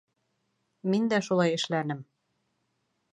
Мин дә шулай эшләнем.